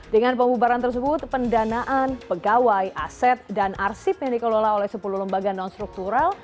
dengan pembubaran tersebut pendanaan pegawai aset dan arsip yang dikelola oleh sepuluh lembaga non struktural